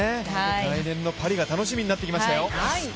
来年のパリが楽しみになってきましたよ。